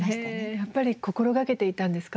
やっぱり心がけていたんですか？